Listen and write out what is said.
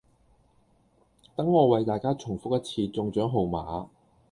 等我為大家重覆一次中獎號碼